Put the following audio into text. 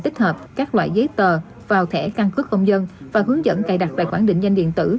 tích hợp các loại giấy tờ vào thẻ căn cước công dân và hướng dẫn cài đặt tài khoản định danh điện tử